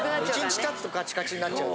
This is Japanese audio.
１日経つとカチカチになっちゃう。